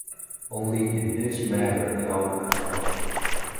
Only in this matter help can come.